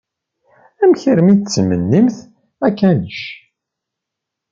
Amek armi i d-tettmennimt akanic?